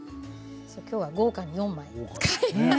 きょうは豪華に４枚使います。